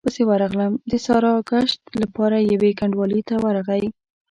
پسې ورغلم، د ساراګشت له پاره يوې کنډوالې ته ورغی،